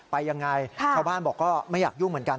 ไปยังไงชาวบ้านบอกก็ไม่อยากยุ่งเหมือนกัน